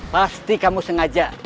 pasti kamu sengaja